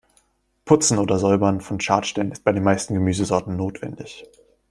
Putzen oder Säubern von Schadstellen ist bei den meisten Gemüsesorten notwendig.